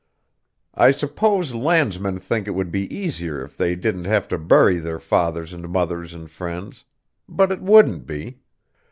I suppose landsmen think it would be easier if they didn't have to bury their fathers and mothers and friends; but it wouldn't be.